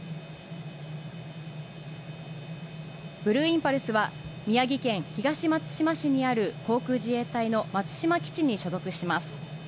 ブルーインパルスは、宮城県東松島市にある航空自衛隊の松島基地に所属します。